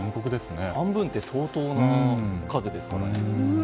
半分って相当な数ですからね。